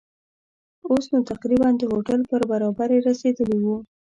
اوس نو تقریباً د هوټل پر برابري رسېدلي وو.